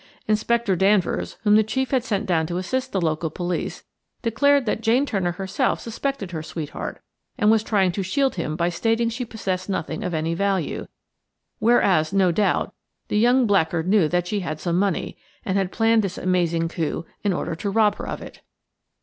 Inspector Danvers, whom the chief had sent down to assist the local police, declared that Jane Turner herself suspected her sweetheart, and was trying to shield him by stating she possessed nothing of any value; whereas, no doubt, the young blackguard knew that she had some money, and had planned this amazing coup in order to rob her of it.